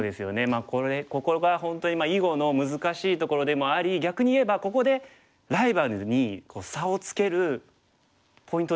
まあこれここが本当に囲碁の難しいところでもあり逆にいえばここでライバルに差をつけるポイントでもあるんですよね。